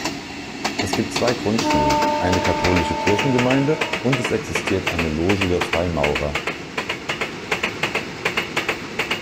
Es gibt zwei Grundschulen, eine katholische Kirchengemeinde und es existiert eine Loge der Freimaurer.